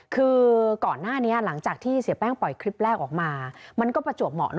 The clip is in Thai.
คือก่อนหน้านี้หลังจากที่เสียแป้งปล่อยคลิปแรกออกมามันก็ประจวบเหมาะ